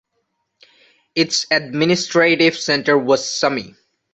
Its administrative centre was Sumy.